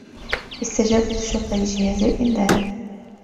استجابت الشّرطة لجهاز الإنذار.